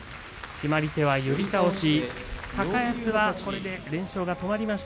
決まり手は寄り倒しです。